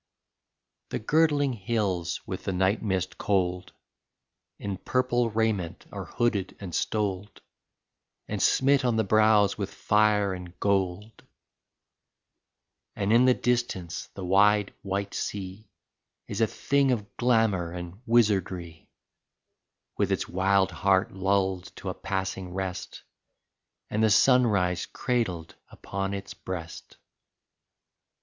The girdling hills with the night mist cold In purple raiment are hooded and stoled And smit on the brows with fire and gold ; And in the distance the wide, white sea Is a thing of glamor and wizardry, With its wild heart lulled to a passing rest. And the sunrise cradled upon its breast.